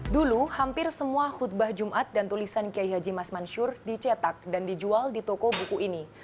dulu hampir semua khutbah jumat dan tulisan kiai haji mas mansur dicetak dan dijual di toko buku ini